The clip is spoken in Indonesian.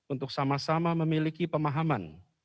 untuk sama sama memiliki pemahaman